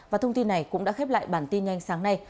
và thông tin này cũng đã khép lại bản tin nhanh sáng nay